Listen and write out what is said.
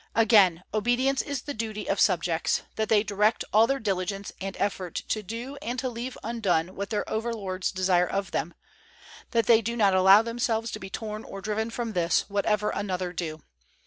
Again, obedience is the duty of subjects, that they direct all their diligence and effort to do and to leave undone what their over lords desire of them, that they do not allow themselves to be torn or driven from this, whatever another do.